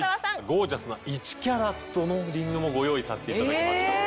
ゴージャスな１カラットのリングもご用意させていただきました。